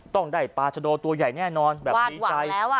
ต้องได้ปลาทะโดตัวใหญ่แน่นอนแบบบีใจวาดหวังแล้วอะ